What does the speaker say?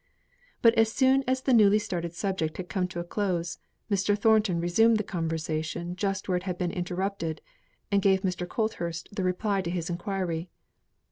But as soon as the newly started subject had come to a close, Mr. Thornton resumed the conversation just where it had been interrupted, and gave Mr. Colthurst the reply to his inquiry.